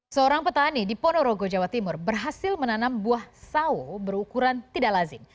seorang petani di ponorogo jawa timur berhasil menanam buah sawo berukuran tidak lazim